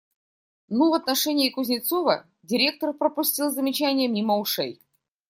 Ну, в отношении Кузнецова директор пропустил замечание мимо ушей.